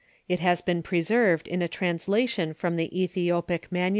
It has been preserved in a translation from the Ethiopic MS.